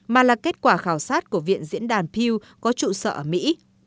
mà là kết quả khảo sát của viện diễn đàn pew có trụ sở ở mỹ